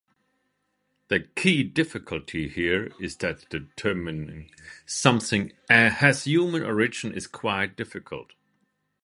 The key difficulty here is that determining something has human origin is quite difficult.